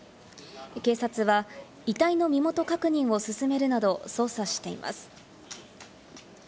警察は遺体の身元確認を進めるなど、捜査しています。